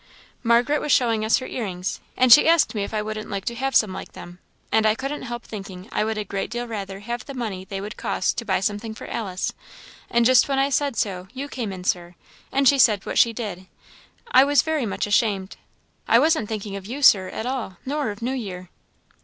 "Margaret was showing us her ear rings, and she asked me if I wouldn't like to have some like them; and I couldn't help thinking I would a great deal rather have the money they would cost to buy something for Alice; and just when I said so, you came in, Sir, and she said what she did. I was very much ashamed. I wasn't thinking of you, Sir, at all, nor of New Year."